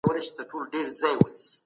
ايا زړورتيا يوازي د جګړې په ډګر کي وي؟